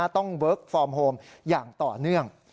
เวิร์คฟอร์มโฮมอย่างต่อเนื่อง